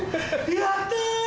やった！